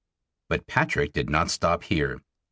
But Patrick did not stop here.